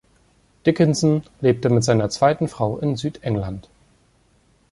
Dickinson lebte mit seiner zweiten Frau in Südengland.